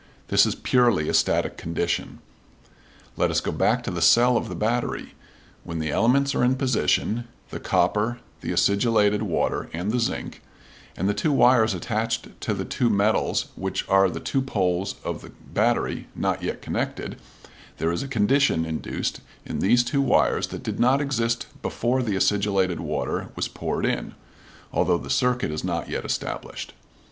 This is purely a static condition. Let us go back to the cell of battery. When the elements are in position (the copper, the acidulated water and the zinc), and the two wires attached to the two metals which are the two poles of the battery not yet connected, there is a condition induced in these two wires that did not exist before the acidulated water was poured in, although the circuit is not yet established.